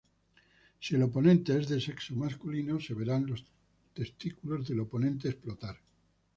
Si el oponente es de sexo masculino, se verán los testículos del oponente explotar.